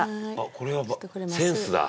これはセンスだ。